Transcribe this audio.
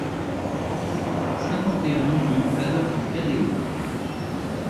cinquante et un rue Adolphe Cadéot